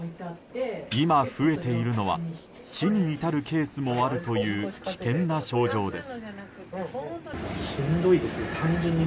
今、増えているのは死に至るケースもあるという危険な症状です。